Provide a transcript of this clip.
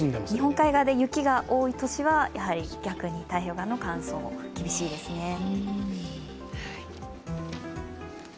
日本海側で雪が多い年は逆に太平洋側の乾燥が厳しいですね。